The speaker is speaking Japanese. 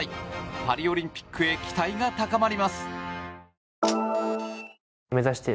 パリオリンピックへ期待が高まります。